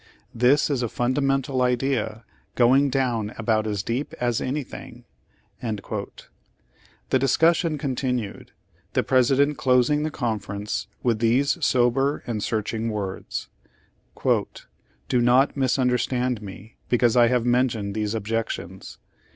This is a fundamental idea, going down about as deep as anything." ^ The discussion continued, the President closing the conference with these sober and searching words : "Do not misunderstand me because I have mentioned these objections.